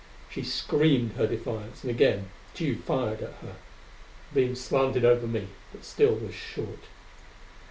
She screamed her defiance, and again Tugh fired at her. The beam slanted over me, but still was short.